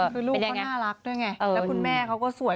คือลูกเขาน่ารักด้วยไงแล้วคุณแม่เขาก็สวย